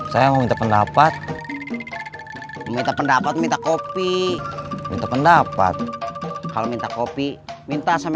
saya meminta pendapat minta pendapat minta kopi minta pendapat kalau minta kopi minta sama